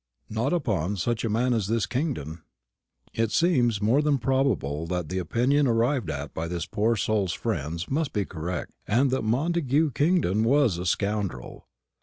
"Not upon such a man as this Kingdon." It seems more than probable that the opinion arrived at by this poor soul's friends must be correct, and that Montagu Kingdon was a scoundrel.